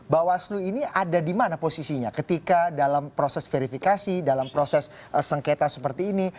bawaslu ini ada di mana posisinya ketika dalam proses verifikasi dalam proses sengketa seperti ini